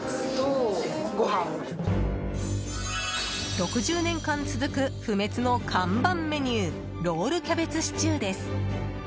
６０年間続く不滅の看板メニューロールキャベツシチューです。